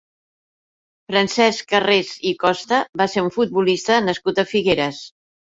Francesc Carrés i Costa va ser un futbolista nascut a Figueres.